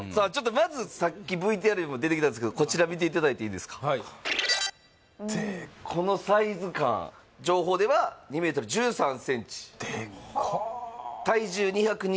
まずさっきＶＴＲにも出てきたんですけどこちら見ていただいていいですかこのサイズ感情報では２ｍ１３ｃｍデッカ体重２２２ｋｇ